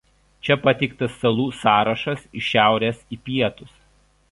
Čia pateiktas salų sąrašas iš šiaurės į pietus.